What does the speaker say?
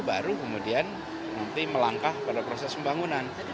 baru kemudian nanti melangkah pada proses pembangunan